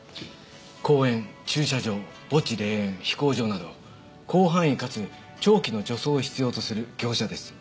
公園駐車場墓地霊園飛行場など広範囲かつ長期の除草を必要とする業者です。